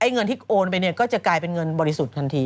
เงินที่โอนไปก็จะกลายเป็นเงินบริสุทธิภาพถันที